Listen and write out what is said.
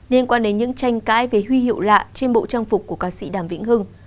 liên quan đến những tranh cãi về huy hiệu lạ trên bộ trang phục của ca sĩ đàm vĩnh hưng